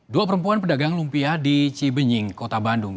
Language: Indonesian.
dua perempuan pedagang lumpia di cibenying kota bandung